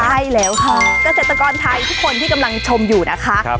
ใช่แล้วค่ะเกษตรกรไทยทุกคนที่กำลังชมอยู่นะคะ